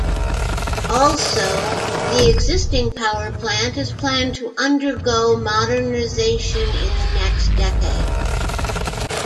Also, the existing power plant is planned to undergo modernisation in the next decade.